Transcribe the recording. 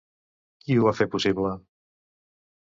Qui ho va fer possible?